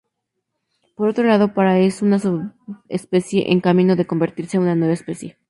Por otro lado, para es una subespecie en camino de convertirse una nueva especie.